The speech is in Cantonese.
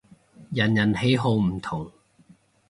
人人喜好唔同